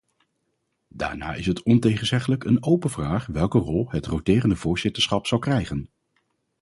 Daarna is het ontegenzeggelijk een open vraag welke rol het roterende voorzitterschap zal krijgen.